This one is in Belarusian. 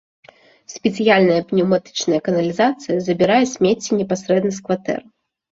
Спецыяльная пнеўматычная каналізацыя забірае смецце непасрэдна з кватэр.